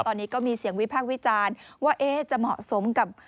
ตอนนี้ก็มีเสียงวิพากษ์วิจารณ์ว่าจะเหมาะสมกับ